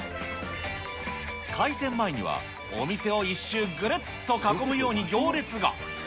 開店前にはお店を一周ぐるっと囲むように行列が。